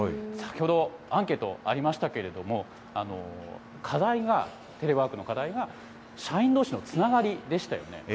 先ほどアンケート、ありましたけれども、課題が、テレワークの課題が、社員どうしのつながりでしたよね。